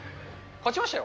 勝ちましたよ。